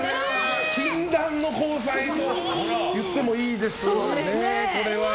禁断の交際と言ってもいいですけどね、これは。